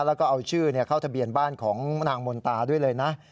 แล้วก็เอาชื่อเข้าทะเบียนบ้านของนางมนตาด้วยเลยนะ